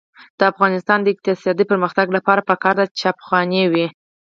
د افغانستان د اقتصادي پرمختګ لپاره پکار ده چې چاپخونې وي.